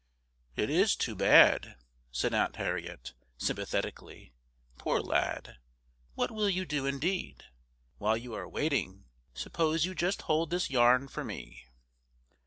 "It is too bad!" said Aunt Harriet, sympathetically. "Poor lad! What will you do, indeed? While you are waiting, suppose you just hold this yarn for me."